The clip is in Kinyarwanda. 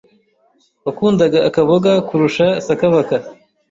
wakundaga akaboga kurusha sakabaka.